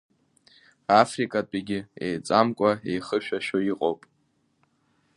Африкатәигьы еиҵамкәа еихышәашәо иҟоуп.